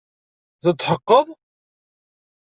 Tetḥeqqeḍ?